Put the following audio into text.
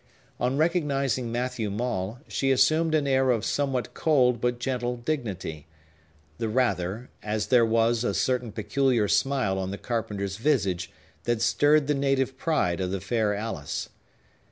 On recognizing Matthew Maule, she assumed an air of somewhat cold but gentle dignity, the rather, as there was a certain peculiar smile on the carpenter's visage that stirred the native pride of the fair Alice.